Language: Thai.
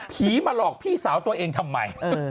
มาหลอกพี่สาวตัวเองทำไม